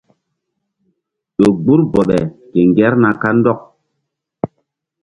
Ƴo gbur bɔɓe ke ŋgerna kandɔk.